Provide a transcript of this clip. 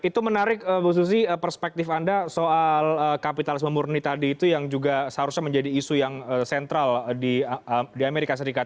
itu menarik bu susi perspektif anda soal kapitalisme murni tadi itu yang juga seharusnya menjadi isu yang sentral di amerika serikat